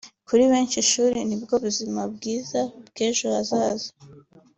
Kuri benshi ishuri nibwo buzima bwiza bw’ejo hazaza